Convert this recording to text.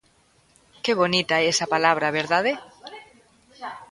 Que bonita é esa palabra, ¿verdade?